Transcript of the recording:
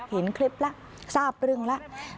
เห็นคลิปล่ะทราบเรื่องล่ะ